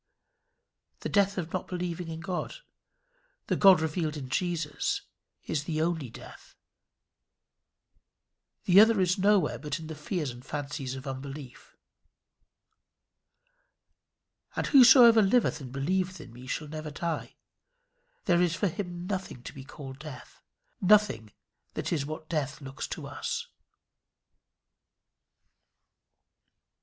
The death of not believing in God the God revealed in Jesus is the only death. The other is nowhere but in the fears and fancies of unbelief. "And whosoever liveth and believeth in me shall never die." There is for him nothing to be called death; nothing that is what death looks to us.